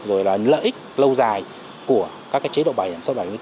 rồi là lợi ích lâu dài của các chế độ bảo hiểm số bảy mươi bốn